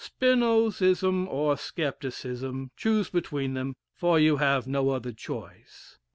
'" "Spinozism or scepticism, choose between them, for you have no other choice.